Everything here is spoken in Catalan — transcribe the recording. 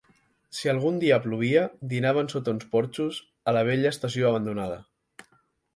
Si algun dia plovia, dinaven sota uns porxos, a la vella estació abandonada.